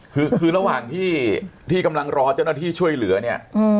คือคือระหว่างที่ที่กำลังรอเจ้าหน้าที่ช่วยเหลือเนี่ย